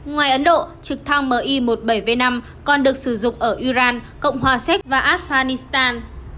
ngoài ấn độ trực thăng mi một mươi bảy v năm còn được sử dụng ở iran cộng hòa séc và afghanistan